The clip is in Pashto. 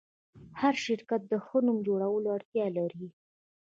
هر شرکت د ښه نوم جوړولو اړتیا لري.